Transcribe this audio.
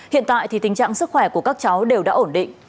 hiện tại thì tình trạng sức khỏe của các cháu đều đã ổn định